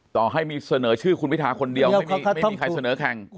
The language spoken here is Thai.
ต่อให้มีเสนอชื่อคุณพิทาคนเดียวไม่มีใครเสนอแข่ง